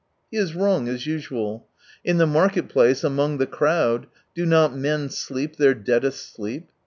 He is wrong as usual. In the market place, among the crowd, do not men sleep their deadest sleep